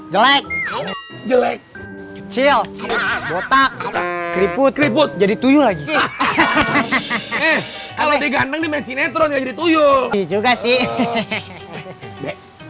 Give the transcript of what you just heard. jelek jelek cil botak keriput keriput jadi tuyul lagi kalau diganteng mesinnya turun juga sih